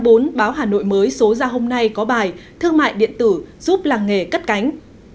báo hà nội mới số ra hôm nay có bài thương mại điện tử giúp làng nghề cất cánh